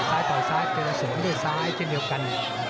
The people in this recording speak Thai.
ต่อซ้ายต่อซ้ายเจอแต่สูงที่ด้วยซ้ายเจ้าเดียวกัน